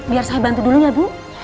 biar saya bantu dulu ya bu